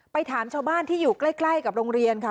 ถามชาวบ้านที่อยู่ใกล้กับโรงเรียนค่ะ